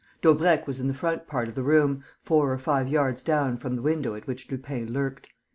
Daubrecq was in the front part of the room, four or five yards down from the window at which Lupin lurked.